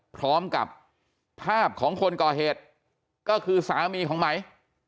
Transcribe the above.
พร้อมกับภาพของคนก่อเหตุก็คือสามีของไหม